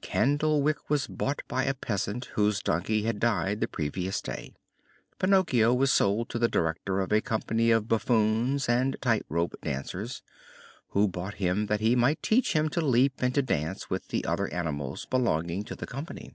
Candlewick was bought by a peasant whose donkey had died the previous day. Pinocchio was sold to the director of a company of buffoons and tight rope dancers, who bought him that he might teach him to leap and to dance with the other animals belonging to the company.